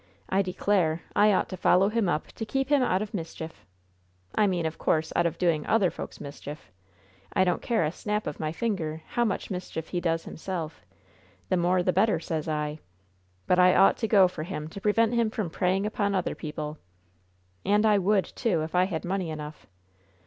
I declare, I ought to follow him up, to keep him out of mischief! I mean, of course, out of doing other folks mischief! I don't care a snap of my finger how much mischief he does himself! The more, the better, sez I! But I ought to go for him to prevent him from preying upon other people! And I would, too, if I had money enough!